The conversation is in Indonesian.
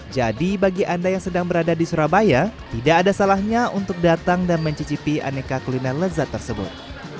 jadi bagi anda yang sedang berada di surabaya tidak ada salahnya untuk datang dan mencicipi aneka kuliner lezat tersebut